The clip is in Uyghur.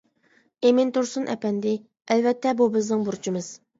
ئىمىن تۇرسۇن ئەپەندى : ئەلۋەتتە بۇ بىزنىڭ بۇرچىمىز.